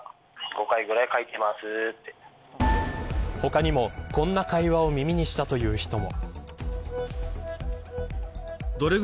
他にも、こんな会話を耳にしたという人も。